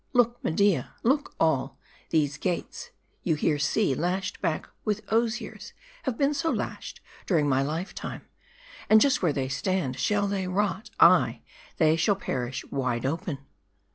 " Look Media ! look all. These gates, you here see, lashed back with osiers, have been so lashed during my life time ; and just where they stand, shall they rot ; ay, they shall perish wide open."